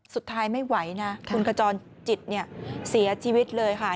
สุดท้ายไม่ไหวนะคุณขจรจิตเนี่ยเสียชีวิตเลยค่ะ